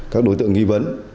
các đối tượng nghi vấn